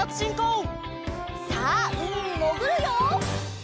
さあうみにもぐるよ！